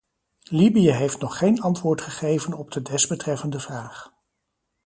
Libië heeft nog geen antwoord gegeven op de desbetreffende vraag.